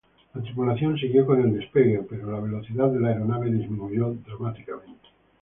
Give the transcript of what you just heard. La tripulación siguió con el despegue, pero la velocidad de la aeronave disminuyó dramáticamente.